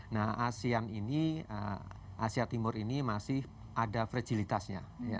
nah asia timur ini masih ada fragilitasnya